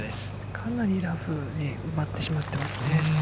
かなりラフに埋まってしまってますね。